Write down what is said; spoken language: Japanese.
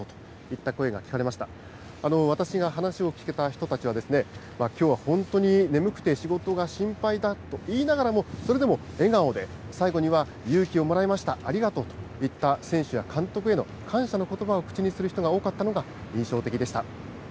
私が話を聞けた人たちは、きょうは本当に眠くて仕事が心配だと言いながらも、それでも笑顔で、最後には、勇気をもらいました、ありがとうといった、選手や監督への感謝のことばを口にする人が多かったのが印象的でした。